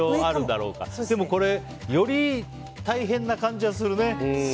でも、より大変な感じがするね。